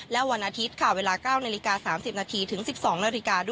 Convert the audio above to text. และวันอาทิตรเวลา๙๓๐๑๒น